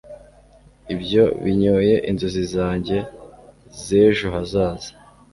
ibyo byinyoye inzozi zanjye z'ejo hazaza